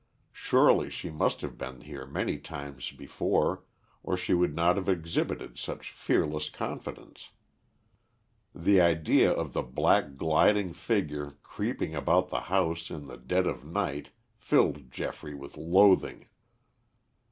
Surely she must have been here many times before, or she would not have exhibited such fearless confidence. The idea of the black, gliding figure creeping about the house in the dead of night filled Geoffrey with loathing.